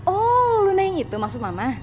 oh luna yang itu maksud mama